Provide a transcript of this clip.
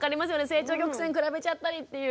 成長曲線比べちゃったりっていう。